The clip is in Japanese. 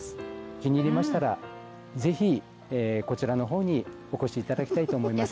気に入りましたら、ぜひ、こちらのほうにお越しいただきたいと思います。